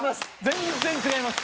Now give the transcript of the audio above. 全然違います。